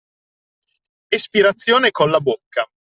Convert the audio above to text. Espirazione colla bocca